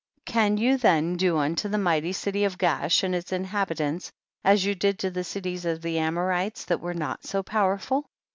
can you then do unto the mighty city of Gaash and its inhabitants as you did to the cities of the Amorites that were not so powerful